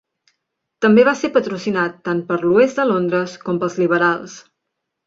També va ser patrocinat tant per l'oest de Londres com pels liberals.